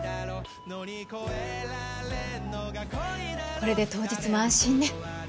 これで当日も安心ね。